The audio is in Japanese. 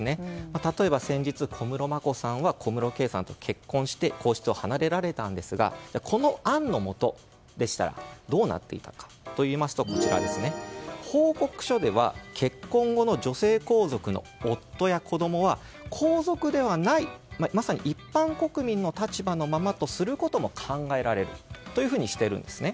例えば先日、小室眞子さんは小室圭さんと結婚して皇室を離れられましたがこの案のもとでしたらどうなっていたのかといいますと報告書では結婚後の女性皇族の夫や子供は皇族ではない、まさに一般国民の立場のままとすることも考えられるというふうにしているんです。